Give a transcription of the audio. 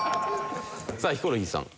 さあヒコロヒーさん。